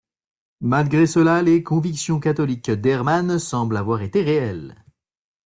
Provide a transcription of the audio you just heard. Malgré cela les convictions catholiques d'Hermann semblent avoir été réelles.